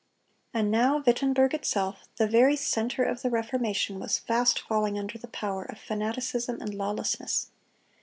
(269) And now Wittenberg itself, the very center of the Reformation, was fast falling under the power of fanaticism and lawlessness.